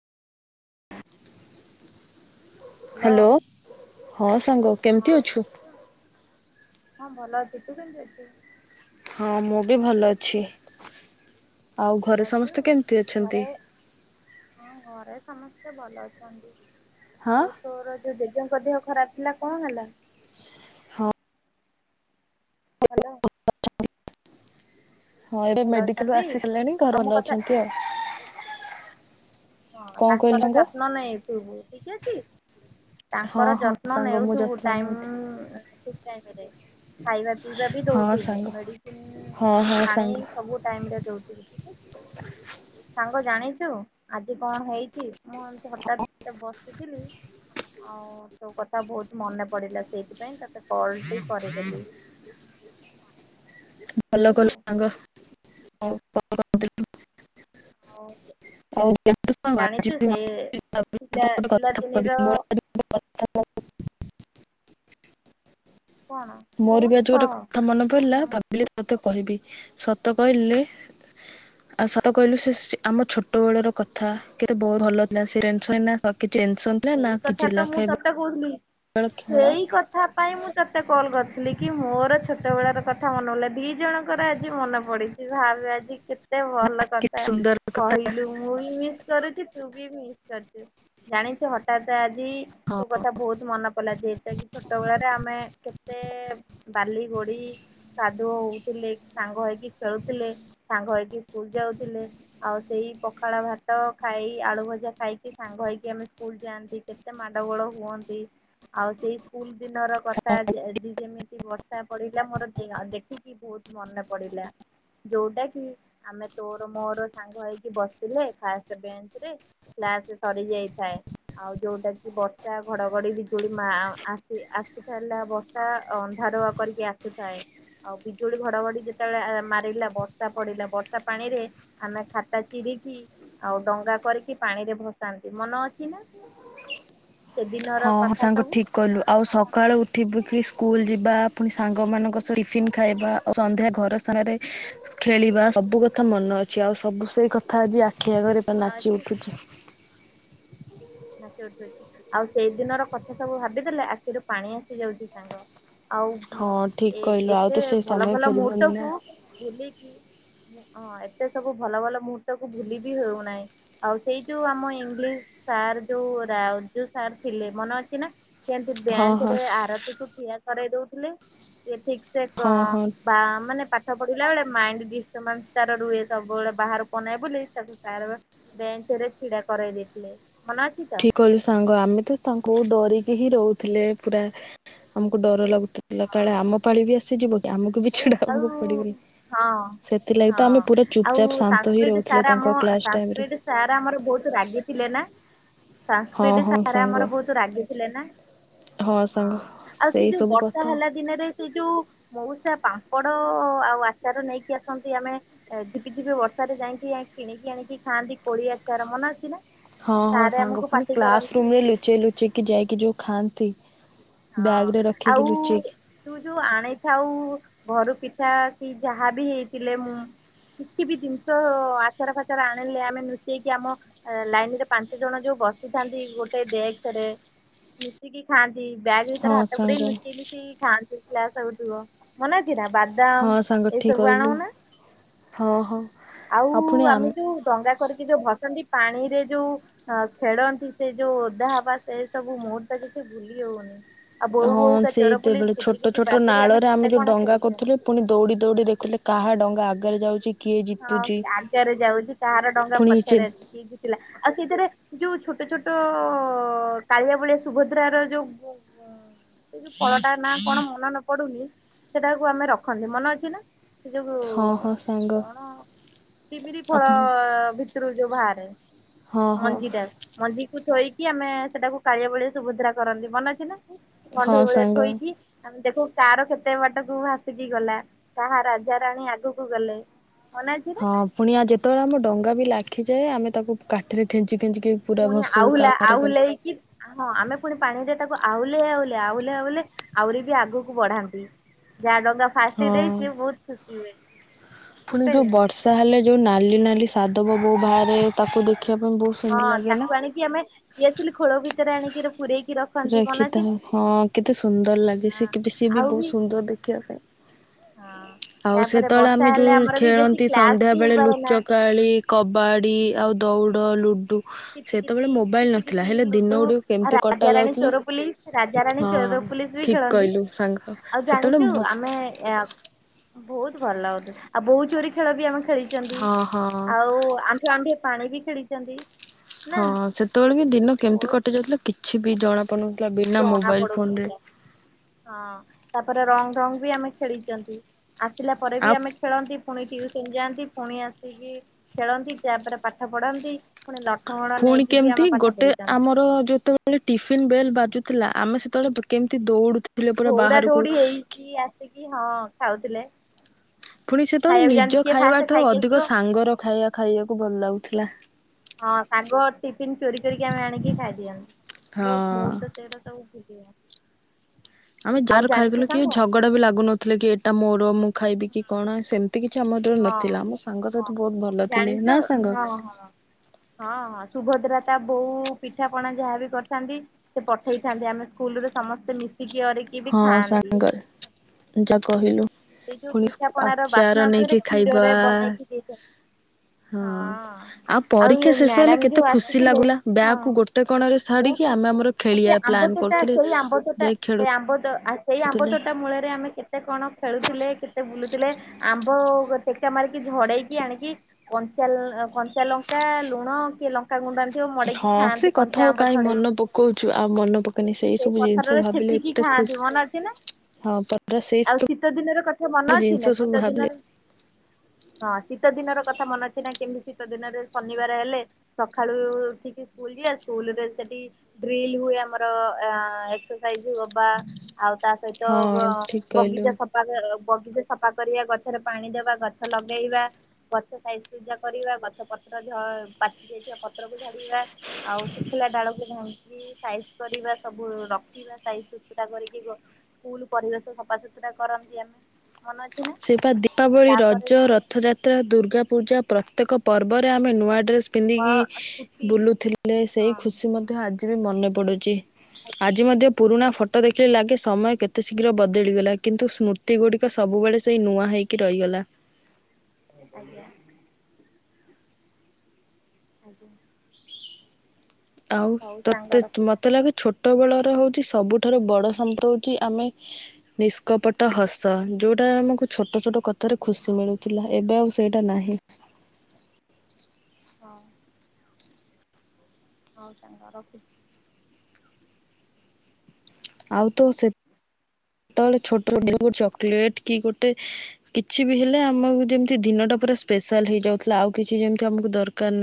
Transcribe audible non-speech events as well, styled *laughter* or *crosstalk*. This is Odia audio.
ହାଲୋ ହ୍ୟାଲୋ ହଁ ସାଙ୍ଗ କେମିତି ହଁ ଅଛୁ? *unintelligible* ହଁ ଭଲ ଅଛି ତୁ କେମିତି ଅଛୁ? ହଁ ମୁଁ ବି ଭଲ ଅଛି ଆଉ ଭଲ ଘରେ ଅଛୁ? ସମସ୍ତେ କେମିତି ଅଛନ୍ତି? ଘରେ ହଁ ଘରେ ସମସ୍ତେ ଭଲ ଅଛନ୍ତି ହଁ ଆଉ ତୋର ଯୋଉ ଜେଜେଙ୍କ ଦେହ ଖରାପ ଥିଲା କଣ ହେଲା? ହଁ ହାଲୋ। ହଁ ଏବେ ଭଲ ମେଡିକାଲୁ ରୁ ଅଛନ୍ତି? ଆସିି ସାରିଲେଣି ଆଉ ଘରେ ମୋ ଭଲ କଥା ଅଛନ୍ତି ଆଉ। ହଁ କଣ କହିଲୁ ତାଙ୍କର ସାଙ୍ଗ? ଯତ୍ନ ନେଇ ଥିବୁ ସବୁ ଠିକ୍ ଅଛି। ହଁ ତାଙ୍କର ହଁ ଯତ୍ନ ସାଙ୍ଗ ମୁଁ ଯତ୍ନ ନଉଛି। ନେଉଥିବୁଟାଇ ଖାଇବା ପିଇବା ବି ହଁ ଦଉଥିବେ ସାଙ୍ଗ ମେଡିସିନ ହଁ ହଁ ପାଣି ସାଙ୍ଗ ସବୁ ଟାଇମରେ ଦଉଥିବ। ସାଙ୍ଗ ଜାଣିଛୁ। ଆଜି କଣ ହେଇଛି ମୁଁ ଏମତି ହଠାତ ବସିଥିଲି ଆଉ ତୋ କଥା ବହୁତ ମନେ ପଡିଲା ସେଇଥିପାଇଁ ତତେ କଲଟି କରିଦେଲି। ଭଲ ବୁଝିଲୁ। କଲୁ ସାଙ୍ଗ ଆଉ କଣ? କହୁଥିଲି *unintelligible* *inaudible* *inaudible* ଆଉ ଜାଣିଛୁ ସେ ପିଲା ପିଲାଦିନିର କଣ ମୋର ବି କହୁନୁ ଆଜି କହ ଗୋଟେ କଥା ମନେ ପଡିଲା ନା ମୁଁ ଭାବ ସତ କହିବି ସତ କହିଲେ ଆଉ ସତ କହିଲୁ ସେ ଆମ ଛୋଟବେଳର କଥା କେତେ ବ ଭଲ ଥିଲା *inaudible* ନା ସେଇ କିଛି କଥା ତ ଚିଲା ମୁଁ ଖାଇବ କହୁଥିଲି ସେଇ କଥା ସେଥିପାଇଁ ମୁଁ ତୋତେ କଲ୍ କରିଥିଲି କି ମୋର ଛୋଟବେଳାର କଥା ମନେ ହେଲା ଦିଇ ଜଣଙ୍କର ଆଜି ମନେ ପଡ଼ି ଭାବି ବା କେତେ ଭଲ କଥା କେତେ ସୁନ୍ଦର କହିଲୁ ମୁଁ ବି *inaudible* ଜାଣିଛୁ ହଠାତ ଆଜି ହଁ ସେ ବହୁତ ମନେ ପଡିଲା ଯୋଉଟା କି ଛୋଟ ବେଳରେ ଆମେ କେତେ ବାଲି ଗୋଡି ସାଧୁ ହଉଥିଲେ ସାଙ୍ଗ ହେଇକି ଖେଳୁଥିଲେ ସାଙ୍ଗ ହେଇକି ସ୍କୁଲ ଯାଉଥିଲେ। ଆଉ ସେଇ ପଖାଳ ଭାତ ଖାଇ ଆଳୁ ଭଜା ଖାଇକି ସାଙ୍ଗ ହେଇକି ଆମେ ସ୍କୁଲ ଯାଆନ୍ତି କେତେ ମାଡ ଗୋଳ ହୁଅନ୍ତି। ଆଉ ସେଇ ସ୍କୁଲ ଦିନର କଥା ଆ ଆଜି ଯେମିତି ବ ଷା ପଡିଲା ମୋର ଦି ଦେଖିକି ବହୁତ ମନେ ପଡିଲା। ଯୋଉଟା କି ଆମେ ତୋର ମୋର ସାଙ୍ଗ ହେଇକି ବସିଥିଲେ ଫାଷ୍ଟ ବେଞ୍ଚ ରେ। କ୍ଲାସ୍ ସରି ଯାଇଥାଏ। ଆଉ ଯୋଉଟା କି ବର୍ଷା ଘଡଘଡି ବିଜୁଳି ମା ଆସ୍ ଆଶିସାରିଲା ବର୍ଷା ଅନ୍ଧାରଆ କରିକି ଆସିଥାଏ। ଆଉ ବିଜୁଳି ଘଡଘଡି ଯେତେବେଳେ ମାରିଲା ବର୍ଷା ପଡିଲା ବର୍ଷା ପାଣିରେ ଆମେ ଖାତା ଚିରିକି ଆଉ ଡଙ୍ଗା କରିକି ପାଣି ରେ ଭସାନ୍ତି ମନେ ଅଛି ନା? ହଁ ସେଦିନର ହଁ କଥା ସାଙ୍ଗ ସବୁ ଠିକ୍ କଲୁ ଆଉ ସକାଳୁ ଉଠିବୁ କି ସ୍କୁଲ ଯିବା ପୁଣି ସାଙ୍ଗମାନଙ୍କ ସହ ଟିଫିନ୍ ଖାଇବା ଆଉ ସନ୍ଧ୍ୟା ଘର ସ୍ଥାନରେ ଖେଳିବା ସବୁ କଥା ମନେ ଅଛି ଆଉ ସବୁ ସେଇ କଥା ଆଜି ଆଖି ଆଗରେ ମନେ ନାଚି ଅଛି ଉଠୁଛି। *inaudible* ଆଉ ସେଇ ଦିନର କଥା ସବୁ ଭାବିଦେଲେ ଆଖିରୁ ପାଣି ଆସି ଯାଉଛି ସାଙ୍ଗ। ଆଉ ହଁ ଠିକ୍ କହିଲୁ ଏ ଆଉ ତ ଏତେ ସେ ଭଲ ସମୟ ଭଲ ଫେରିବନି ନା ମୁହୂର୍ତ୍ତକୁ ବୁଲିକି। ହଁ ଏତେ ସବୁ ଭଲ ଭଲ ମୁହୂର୍ତ୍ତକୁୁ ଭୁଲି ବିି ହଉନାହିଁ। ଆଉ ସେଇ ଯୋଉ ଆମ ଇଂଲିଶ ସାର୍ ଯୋଉ ରାଜୁ ସାର୍ ଥିଲେ ମନେ ଅଛି ନା? କେମିତି ହଁ ବେଞ୍ଚ ହଁ ରେ ଆରତୀ କ ଠିଆ କରାଇ ଦଉଥିଲେ ସେ ଠିକ ଠାକ ହଁ ହଁ ପା ମାନେ ପାଟ୍ ପାଠ ପଡିଲା ବେଳେ ମାଇଣ୍ଡ ଦିଷ୍ଟରଭଂଶ ରୁହେ ସବୁବେଳେ ବାହାରକୁ ଅନାଇବାକୁ ବୋଲି *inaudible* ବେଞ୍ଚ ରେ ଛିଡା କରାଇ ଦେଇଥିଲେ। ମନେ ଅଛି ତ? ଠିକ କଲୁ ସାଙ୍ଗ ଆମେ ତ। ବହୁ ଡରିକି ହିଁ ରହୁଥିଲେ ପୁରା ଆମକୁ ଡର ଲାଗୁଥିଲା। ଯେତେବେଳେ ହଁ ଆମ ପାଳି ବି ଆସିଯିବ କି ଆମକୁ ବି ଆଉ ଆଉ ଛିଡାବାକୁ ପଡିବନି। ହଁ। ସେଥିଲାଗି ତ ହଁ ଆମେ ପୁରା ଚୁପ ଆଉ ଚାପ ଶାନ୍ତ ହେଇ ସାଂସ୍କ୍ରିଟ ରହୁଥିଲେ ସାର୍ ଆମ ତାଙ୍କ କ୍ଲାସ ଟାଇମରେ। ସାଂସ୍କ୍ରିଟ ସାର୍ ଆମର ବହୁତ ରାଗି ଥିଲେ ନା? ହଁ ସାସ୍କ୍ରିଟ ହଁ ସାର ସାଙ୍ଗ ଆମର ବହୁତ ରାଗି ଥିଲେ ନା? ହଁ ଆଉ ସେ ସେଇ ଯୋଉ ସବୁ ବର୍ଷା କଥା। ହେଲା ଦିନରେ ସେ ଯୋଉ ମଉ ସା ପାମ୍ପଡ ଆଉ ଆଚାର ନେଇକି ଆସନ୍ତି ଆମେ ଏ ଝିପିଝିପି ବର୍ଷାରେ ଯାଇକି ଯାଇକି କିଣିକି ଆଣିକି ଖାଆନ୍ତି କୋଳି ଆଚାର ମନେ ଅଛି ନା? ହଁ ହଁ ସାରେ ସାଙ୍ଗ ଆମକୁ ପୁଣି ପାଟି କ୍ଲାସ କରନ୍ତି। ରୁମରେ ଲୁଚେଇ ଲୁଚେଇକି ଯାଇକି ଯୋଉ ଖାଆନ୍ତି ହଁ ବ୍ୟାଗରେ ଆଉ ରଖିକି ଲୁଚେଇକି ତୁ ଯୋଉ ଆଣିଥାଉ ଘରୁ ପିଠା କି ଯାହା ବି ହେଇଥିଲେ ମୁଁ କିଛି ବି ଜିନିଷ ଆଚାର ଫାଚାର ଆଣିଲେ ଆମେ ଲୁଚେଇକି ଆମ ଲାଇନ ରେ ପାଞ୍ଚ ଜଣ ଯୋଉ ବସିଥାନ୍ତି ଗୋଟେ ଡେକ୍ସ ରେ ମିଶିକି ଖାଆନ୍ତି। ବ୍ୟାଗ୍ ହଁ ଭିତରେ ହାତ ସାଙ୍ଗ ପୁରେଇ ଲୁଚେଇ ଲୁଚେଇ ଖାନ୍ତି କ୍ଲାସ୍ ଚାଲିଥିବ ମନେ ଅଛି ନା ହଁ ବାଦାମ ସାଙ୍ଗ ଠିକ୍ ଏସବୁ କହିଲୁ। ଆଣଉ ନା? ହଁ ହଁ ଆଉ ପୁଣି ଆମ ଆମେ ଯୋଉ ଡଙ୍ଗା କରିକି ଯୋଉ ଭସାନ୍ତି ପାଣିରେ ଯୋଉ ହଁ ଖେଳନ୍ତି ସେ ଯୋଉ ଓଦା ହବା ସେ ସବୁ ମୁହୂର୍ତ୍ତ କିଛି ଭୁଲି ହଉନି। ଆଉ ବୋଉ ହଁ ବୋଉକା ଚୋର ପୋଲିସ ସେଇତେବେଳେ କିତି ଛୋଟ କିତି ଛୋଟ ବାଗୁଡି ନାଳରେ କେତେ ଆମେ ଯୋଉ କଣ ଡଙ୍ଗା ଖେଳିଛନ୍ତି। କରୁଥିଲୁ ପୁଣି ଦୌଡ଼ି ଦୌଡ଼ି ଦେଖୁଥିଲେ କାହା ଡଙ୍ଗା ଆଗରେ ଯାଉଛି। କିଏ ହଁ ଜିତୁଛି। ଆଗରେ ଯାଉଛି କାହାର ଡଙ୍ଗା ପୁଣି ଚେ ପଛରେ ଅଛି କି କି ଥିଲା ଆଉ ସେଇଥିରେ ଯୋଉ ଛୋଟ ଛୋଟ କାଳିଆ ବଳିଆ ସୁଭଦ୍ରାର ଯୋଉ ଫଳଟା ନା କଣ ମନେ ନ ପଡୁନି ସେଟାକୁ ଆମେ ରଖନ୍ତି ମନେ ଅଛି ନା? ସେଇ ଯୋଗୁଁ ହଁ ହଁ ସାଙ୍ଗ ହଁ ଡ଼ିମିରି ଫଳ ଆପଣ ଭିତରୁ ଯୋଉ ବାହାରେ ହଁ ହଁ ମଞ୍ଜିଟା। ମଞ୍ଜିକୁ ଥୋଇକି ଆମେ ସେଟାକୁ କାଳିଆ ବଳିଆ ସୁଭଦ୍ରା କରନ୍ତି ମନେ ଅଛି ନା? କଣ୍ଢେଇ ହଁ ଭଳିଆ ସାଙ୍ଗ ଥୋଇକି। ଆମେ ଦେଖୁ କାର କେତେ ବାଟକୁ ଭାସିକି ଗଲା କାହା ରାଜା ରାଣୀ ଆଗକୁ ଗଲେ। ମନେ ଅଛି ନା? ହଁ ପୁଣି ଆ ଯେତେବେଳେ ଆମ ଡଙ୍ଗା ବି ଲାଖିଯାଏ ଆମେ ତାକୁ କାଠିରେ ଖେଞ୍ଚି ଖେଞ୍ଚିକି ପୁରା ପୁଣି ଭସଉ ଆହୁଲା କାରରେ ଗଲେ ଆହୁଲେଇକି ହଁ ଆମେ ପୁଣି ପାଣିରେ ତାକୁ ଆଉଲେ ଆଉଲେ ଆଉଲେ ଆଉଲେ ଆହୁରି ବି ଆଗକୁ ବଢାନ୍ତି। ଯାହା ଡଙ୍ଗା ଫାଷ୍ଟ ଦେଇଛି ସିଏ ବହୁତ ଖୁସି ହୁଏ। ଠିକ ଫୁଣି କହିଲି ଯୋଉ ନା? ବର୍ଷା ହେଲେ ଯୋଉ ନାଲି ନାଲି ସାଦବ ବୋଉ ବାହାରେ ତାକୁ ଦେଖିବା ପାଇଁ ବହୁତ ହଁ ସୁନ୍ଦର ଲାଗେ ନା ତାକୁ ଆଣିକି ଆମେ ଦିଆସିଲି ଖୋଳ ଭିତରେ ଆଣିକିରି ପୁରେଇ ରଖିଥାଉ ହଁ କେତେ ସୁନ୍ଦର ଲାଗେ ସେ ହଁ କେବେ ସିଏ ବି ଆଉ ବହୁତ ସୁନ୍ଦର ଦେଖିବା ପାଇଁ। ହଁ। ଆଉ ତାପରେ ସେତେବେଳେ ବର୍ଷା ଆମେ ହେଲେ ଯୋଉ ଆମର ବି ବେଶୀ ଖେଳନ୍ତି କ୍ଲାସ ବି ସନ୍ଧ୍ୟାବେଳେ ହେଇପାରେନା। ଲୁଚକାଳି କବାଡ଼ି ଆଉ ଦୌଡ଼, ଲୁଡ଼ୁ କିତି ସେତେବେଳେ କିତି ମୋବାଇଲ୍ କିତ ନଥିଲା କିତି, ହେଲେ ଦିନ ଲୁଡୁ ଗୁଡ଼ିକ ଆଉ କେମିତି ରାଜା ରାଣୀ କଟାଯାଉଥିଲା ଚୋର ପୋଲିସ ରାଜା ରାଣୀ ହଁ ଚୋର ପୋଲିସ ବି ଠିକ୍ ଖେଳନ୍ତି କହିଲୁ ସାଙ୍ଗ ଆଉ ସେତେବେଳେ ଜାଣିଛୁ ମୋ ଆମେ ବହୁତ ଭଲ ଲାଗୁଥ ଆଉ ବୋହୁ ଚୋରି ଖେଳ ବି ଆମେ ଖେଳିଛନ୍ତି ହଁ ହଁ ଆଉ ଆଣ୍ଠୁଏ ଆଣ୍ଠୁଏ ପାଣି ବି ଖେଳିଛନ୍ତି। ନା ହଁ ସେତେବେଳେ ବି ଦିନ କେମିତି ବହୁତ କଟି ଯାଉଥିଲା କିଛି ବି ଜଣାପଡୁନଥିଲା ବିନା ଜଣା ମୋବାଇଲ ଫୋନରେ। ପଡୁନଥିଲା। ହଁ ତାପରେ ରଙ୍ଗ ରଙ୍ଗ ବି ଆମେ ଖେଳିଛନ୍ତି ଆସିଲା ପରେ ବି ଆଉ ଆମେ ଖେଳନ୍ତି ପୁଣି ଟିଉସନ ଯାଆନ୍ତି ପୁଣି ଆସିକି ଖେଳନ୍ତି ତାପରେ ପାଠ ପଢନ୍ତି ପୁଣି ନ ଫୁଣି କେମିତି ଗୋଟେ ଆମର ଯେତେ ବେଳେ ଟିଫିନ ବେଲ ବାଜୁଥିଲା ଆମେ ସେତେବେଳେ କେମିତି ଦୌଡୁଥିଲେ ପୁରା ବାହାରକୁ କି ଆସିକି ହଁ ଖାଉଥିଲେ। ପୁଣି ସେତେବେଳେ ଖାଇବାକୁ ଯାଆନ୍ତି ନିଜ କିଏ ଫାଷ୍ଟ ଖାଇବାଠୁ ଖାଇକି ଅଧିକ ଆସିବ ସାଙ୍ଗର ଖାଇବା ଖାଇବାକୁ ଭଲ ଲାଗୁଥିଲା। ହଁ ସାଙ୍ଗ ଟିଫିନ୍ ଚୋରି କରିକି ଆମେ ଆଣିକି ଖାଇଦିଅନ୍ତି। ବହୁତ ହଁ। ମୁହୂର୍ତ୍ତ ସେଇଟା ତ ମୁଁ ବି ସେଇଆ। ଆମେ ଯାହାର ଖାଇଥିଲୁ କି ଝଗଡା ବି ଲାଗୁନଥିଲେ କି ଏଇଟା ମୋର ମୁଁ ଖାଇବି କି କଣ ସେମିତି କି କି ଆମ ଦଳୁ ହଁ ନଥିଲା ଆମ ସାଙ୍ଗ ହଁ ସହିତ ବହୁତ ଭଲ ଥିଲେ ଜାଣିଛ ନା ସାଙ୍ଗ। ହଁ ହଁ ହଁ ହଁ ସୁଭଦ୍ରା ତା ବୋଉ ପିଠାପଣା ଯାହାବି କରିଥାନ୍ତି। ସେ ପଠେଇଥାନ୍ତି ଆମେ ସ୍କୁଲରେ ସମସ୍ତେ ମିଶିକି ଅରକି ବି ହଁ ଖାଆନ୍ତି। ସାଙ୍ଗରେ। ଯା କହିଲୁ। ସେଇ ଯୋଉ ପୁଣି ପିଠା ପଣ ର ଆଚାର ବାସ୍ନା ଉପରେ ନେଇକି ଖାଇବା କ୍ଷୀରରେ ବନେଇକି ହଁ। ଦେଇଥାନ୍ତି। ହଁ ପରୀକ୍ଷା ଆଉ ଶେଷ ହେଲେ ମ୍ୟାଡାମ୍ କେତେ ଯୋଉ ଖୁସି ଆସିଥିଲେ ଲାଗୁଲା ହଁ। ବ୍ୟାଗକୁ ଗୋଟେ କଣରେ ଛାଡ଼ିକି ବହୁତ ଆମେ ଖୁସି ଆମର ଆ ଖେଳିବା ସେ ଆମ୍ବ ପ୍ଲାନ୍ ତୋଟା କରୁଥିଲେ ସେଇ ଆମ୍ବ ତଟା ଯାଇ ସେଇ ଆମ୍ବ ତ ଆ ସେଇ ଆମ୍ବ ଖେଳୁଥିଲେ। ତୋଟା ମୂଳରେ ଆମେ କେତେ କଣ ଖେଳୁଥିଲେ କେତେ ବୁଲୁଥିଲେ ଆମ୍ବ ଟେକା ମାରିକି ଝଡେଇକି ଆଣିକି କଞ୍ଚା କଞ୍ଚା ଲଙ୍କା ଲୁଣ କି ଲଙ୍କ ତା ଗୁଣ୍ଡା ରେ ଥିବ ମଡେଇକି ହଁ ସେ ଖାଆନ୍ତି କଥା କଞ୍ଚା ଆଉ ଆମ୍ବ କାହିଁ ଛଡେଇକି ମନେ ପକଉଛୁ ଆଉ ମନେ ପକେଇନି ସେଇ ସବୁ ଜିନିଷ ପଥରରେ ଭାବିଲେ ଛେଚି କି ଏତେ ଖାଆନ୍ତି ଖୁସି ମନେ ଅଛି ନା? ହଁ ପଦ ସେଇ ଆଉ ସବୁ ଶୀତ ଦିନର କଥା ମନେ ଅଛି ଜିନିଷ ନା ସବୁ ଶୀତ ଭାବିଲେ ଦିନରେ ହଁ ଶୀତ ଦିନର କଥା ମନେ ଅଛି ନା କେମିତି ଶୀତ ଦିନରେ ଶନିବାର ହେଲେ ସକାଳୁ ଉଠିକି ସ୍କୁଲ ଯିବା ସ୍କୁଲ ରେ ସେଠି ଡ୍ରିଲ୍ ହୁଏ ଆମର ଆଁ ଏକ୍ସରସାଇଜ୍‌ ହୋ ବା ଆଉ ତା ସହିତ ହଁ ଅଁ ଠିକ କହିଲୁ। ବଗିଚା ସଫା ବଗିଚା ସଫା କରିବା ଗଛରେ ପାଣି ଦବା ଗଛ ଲଗେଇବା। ଗଛ ସାଇ ପୂଜା କରିବା ଗଛ ପତ୍ର ଝ ପାଚିଯାଇଥିବା ପତ୍ରକୁ ଝାଡିବା। ଆଉ ଶୁଖିଲା ଡାଳକୁ ଭାଙ୍ଗିକି କି ସାଇଜ୍‌ କରିବା ସବୁ ରଖିବା ସାଇ ସୁୁତୁରା କରିକି ସ୍କୁଲ ପରିବେଶ ସଫାସତୁରା କରନ୍ତି ଆମେ। ମନେ ଅଛି ନା ସେ ପା ଦୀପାବଳି ତାପରେ ରଜ ର ରଥଯାତ୍ରା ଦୁର୍ଗାପୂଜା ପ୍ରତ୍ୟେକ ପର୍ବରେ ଆମେ ନୂଆ ଡ୍ରେସ୍ ପିନ୍ଧିକି ଅ ଛୁଟି ବୁଲୁଥିଲେ ସେଇ ହଁ ଖୁସି ମଧ୍ୟ ଆଜି ବି ମନେ ପଡୁଛି। ଆଜ୍ଞା ଆଜି ମଧ୍ୟ ପୁରୁଣା ଆଜ୍ଞା ଫ ଫଟୋ ଦେଖିଲେ ଲାଗେ ସମୟ କେତେ ଶୀଘ୍ର ବଦଳିଗଲା। କିନ୍ତୁ ସ୍ମୃତି ଗୁଡ଼ିକ ସବୁବେଳେ କି ନୂଆ ହେଇ କି ରହିଗଲା। ଆଜ୍ଞା ଆଜ୍ଞା। ଆଉ ହଉ ତତେ ସାଙ୍ଗ ରଖୁଛି ମତେ ଲାଗେ ଛୋ ଛୋଟ ବେଳର ହୋଉଚି ସବୁଠାରୁ ବଡ଼ ଶବ୍ଦ ହୋଉଛି ଆମେ ନିଷ୍କପଟ ହସ ଯୋଉଟା ଆମକୁ ଛୋଟ ଛୋଟ କଥାରେ ଖୁସି ମିଳୁଥିଲା। ଏବେ ଆଉ ସେ ସେଇଟା ନାହିଁ। ହଁ। ହୋଉ ସାଙ୍ଗ ରଖୁଛି। ଆଉ ତ ସେ ସେତେବେଳେ ଛୋଟ ବେବି କୁ ଚକୋଲେଟ କି ଗୋଟେ କିଛି ବି ହେଲେ ଆମକୁ ଯେମିତି ଦିନ ଟା ପୁରା ସ୍ପେଶାଲ ହେଇଯାଉଥିଲା ଆଉ କିଛି ଯେମିତି ଆମକୁ ଦରକାର ନାହିଁ।